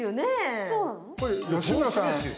これ吉村さん